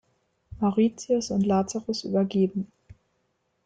Mauritius und Lazarus übergeben.